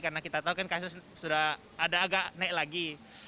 karena kita tahu kan kasus sudah ada agak naik lagi